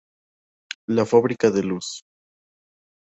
La Fábrica de luz.